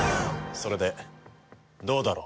それでどうだろう？